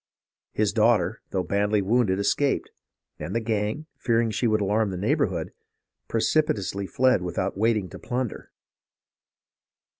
His daughter, though badly wounded, escaped ; and the gang, fearing she would alarm the neigh bourhood, precipitately fled without waiting to plunder.